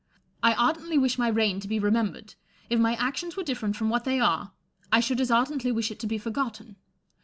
I ardently wish my reign to be remembered : if my actions were different from what they are, I should as ardently wish it to be forgotten.